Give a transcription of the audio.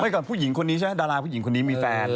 ก่อนผู้หญิงคนนี้ใช่ไหมดาราผู้หญิงคนนี้มีแฟน